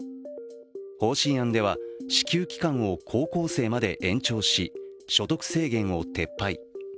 方針案では支給期間を高校生まで延長し、所得制限を撤廃。